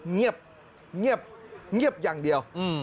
เงียบเงียบเงียบอย่างเดียว